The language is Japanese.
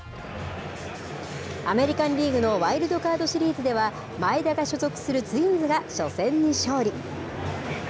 アメリカンリーグのワイルドカードシリーズでは前田が所属するツインズが初戦に勝利。